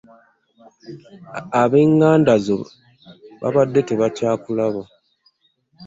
Ab'eŋŋanda zo babadde tebakyakulaba.